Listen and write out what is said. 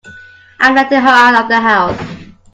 I'm letting her out of the house.